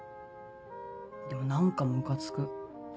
でも何かムカつく。